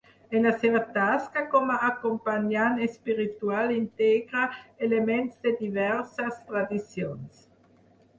En la seva tasca com a acompanyant espiritual integra elements de diverses tradicions.